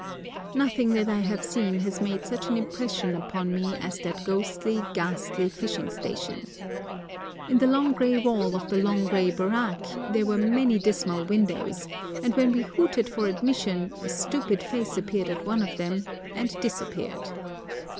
Nothing that I have seen has made such an impression upon me as that ghostly, ghastly fishing station. In the long grey wall of the long grey barrack there were many dismal windows, and when we hooted for admission a stupid face appeared at one of them and disappeared.